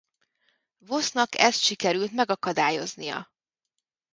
Vosnak ezt sikerült megakadályoznia.